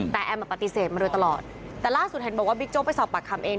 แต่แอมเป็นปฏิเสธมาด้วยตลอดแต่ล่าสุดเห็นนะว่าไปสอบประคัมเอง